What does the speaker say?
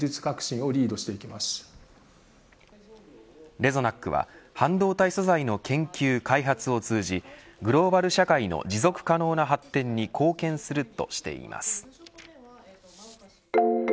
レゾナックは半導体素材の研究、開発を通じグローバル社会の持続可能な発展に貢献するとしています。